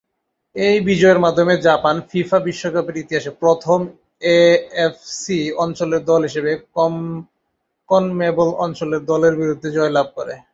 এই বিজয়ের মাধ্যমে জাপান ফিফা বিশ্বকাপের ইতিহাসে প্রথম এএফসি অঞ্চলের দল হিসেবে কনমেবল অঞ্চলের দলের বিরুদ্ধে জয়লাভ করে।